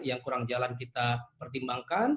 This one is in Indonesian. yang kurang jalan kita pertimbangkan